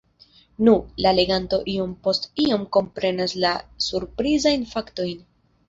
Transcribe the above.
Nu, la leganto iom post iom komprenas la surprizajn faktojn.